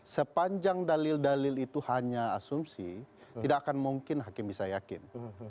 sepanjang dalil dalil itu hanya asumsi tidak akan mungkin hakim bisa yakin